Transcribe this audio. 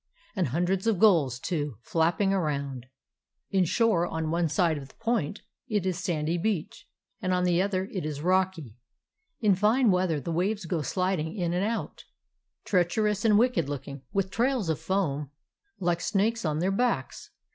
And hundreds of gulls, too, flapping around. In shore on one side of the point it is sandy beach, and on the other it is rocky. In fine wea ther the waves go sliding in and out, treach erous and wicked looking, with trails of foam like snakes on their backs.